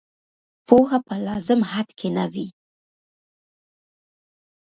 پوهه په لازم حد کې نه وي.